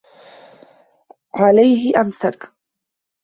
عَلَيْهِ أَمْسَكَ